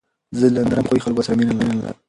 زه له نرم خوی خلکو سره مینه لرم.